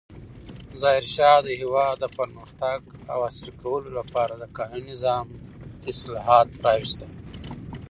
ظاهرشاه د هېواد د پرمختګ او عصري کولو لپاره د قانوني نظام اصلاحات راوستل.